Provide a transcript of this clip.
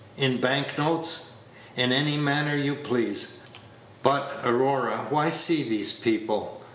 "In bank notes?" "In any manner you please. But, Aurora, why see these people?